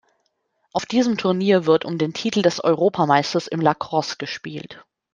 Auf diesem Turnier wird um den Titel des Europameisters im Lacrosse gespielt.